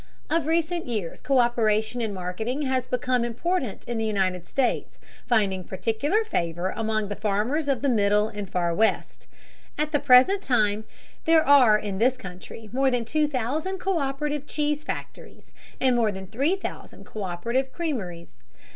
Of recent years, co÷peration in marketing has become important in the United States, finding particular favor among the farmers of the Middle and Far West. At the present time there are in this country more than two thousand co÷perative cheese factories, and more than three thousand co÷perative creameries.